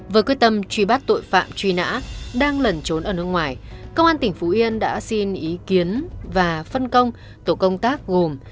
với quyết tâm truy bắt tội phạm truy nã đang lẩn trốn ở nước ngoài công an tỉnh phú yên đã xin ý kiến và phân công tổ công tác gồm